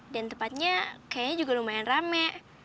dan tepatnya kayaknya juga lumayan rame